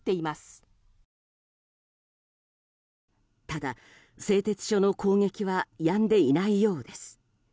ただ、製鉄所の攻撃はやんでいないようです。